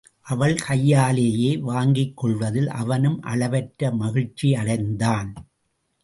அவள் கையாலேயே வாங்கிக்கொள்வதில் அவனும் அளவற்ற மகிழ்ச்சியடைந்தான்.